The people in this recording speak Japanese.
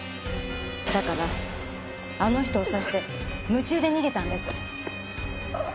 だからあの人を刺して夢中で逃げたんです。